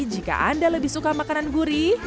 jika anda lebih suka makanan gurih